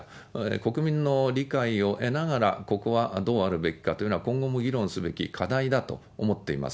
国民の理解を得ながらここはどうあるべきかというのは今後も議論すべき課題だと思っています。